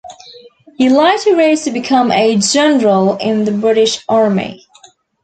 He later rose to become a General in the British Army.